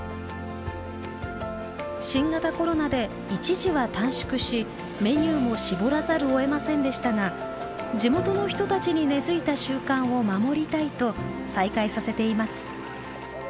新型コロナで一時は短縮しメニューも絞らざるをえませんでしたが地元の人たちに根づいた習慣を守りたいと再開させています。